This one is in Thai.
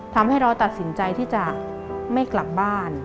ทำให้เราตัดสินใจที่จะไม่กลับบ้าน